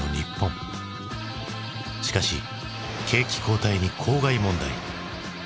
しかし景気後退に公害問題。